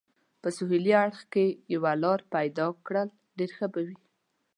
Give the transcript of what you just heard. په سهېلي اړخ کې یوه لار پیدا کړل، ډېر به ښه وي.